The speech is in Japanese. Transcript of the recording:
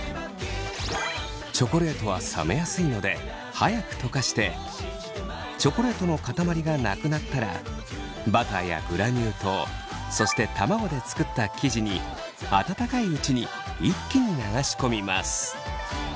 チョコレートは冷めやすいので早く溶かしてチョコレートの塊がなくなったらバターやグラニュー糖そして卵で作った生地に温かいうちに一気に流し込みます。